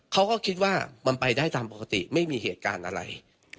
เขาก็คิดว่ามันไปได้ตามปกติไม่มีเหตุการณ์อะไร